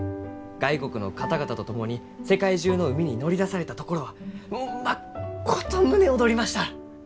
外国の方々と共に世界中の海に乗り出されたところはまっこと胸躍りました！